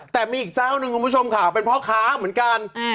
แต่มีอีกเจ้าหนึ่งคุณผู้ชมค่ะเป็นพ่อค้าเหมือนกัน